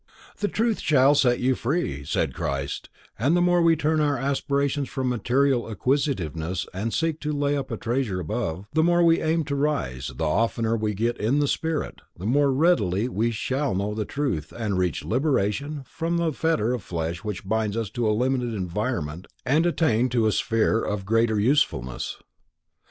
"The truth shall set you free," said Christ, and the more we turn our aspirations from material acquisitiveness and seek to lay up treasure above, the more we aim to rise, the oftener we "get in the spirit," the more readily we "shall know truth" and reach liberation from the fetter of flesh which binds us to a limited environment, and attain to a sphere of greater usefulness.